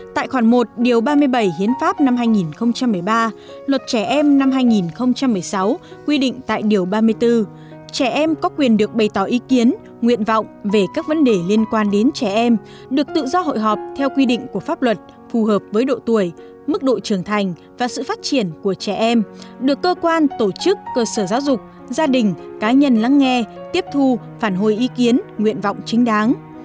tại khoản một điều ba mươi bảy hiến pháp năm hai nghìn một mươi ba luật trẻ em năm hai nghìn một mươi sáu quy định tại điều ba mươi bốn trẻ em có quyền được bày tỏ ý kiến nguyện vọng về các vấn đề liên quan đến trẻ em được tự do hội họp theo quy định của pháp luật phù hợp với độ tuổi mức độ trưởng thành và sự phát triển của trẻ em được cơ quan tổ chức cơ sở giáo dục gia đình cá nhân lắng nghe tiếp thu phản hồi ý kiến nguyện vọng chính đáng